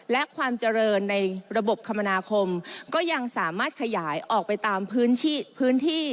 และความเจริญในระบบคมนาคมก็ยังสามารถขยายออกไปตามพื้นที่